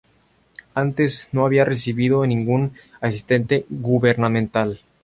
Antes no había recibido ningún asistente gubernamental.